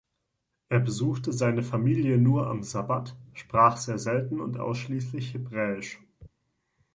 Er besuchte seine Familie nur am Sabbat, sprach sehr selten und ausschließlich hebräisch.